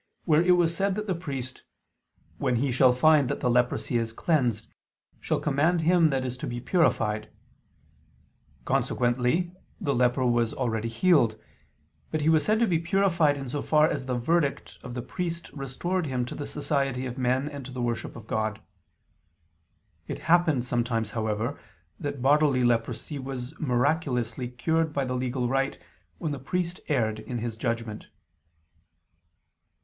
where it was said that the priest, "when he shall find that the leprosy is cleansed," shall command "him that is to be purified": consequently, the leper was already healed: but he was said to be purified in so far as the verdict of the priest restored him to the society of men and to the worship of God. It happened sometimes, however, that bodily leprosy was miraculously cured by the legal rite, when the priest erred in his judgment.